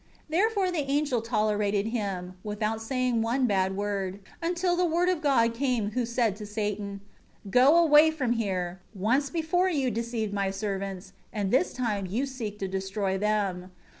4 Therefore the angel tolerated him, without saying one bad word, until the Word of God came who said to Satan, "Go away from here; once before you deceived My servants, and this time you seek to destroy them.